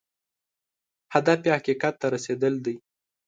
هدف یې حقیقت ته رسېدل دی.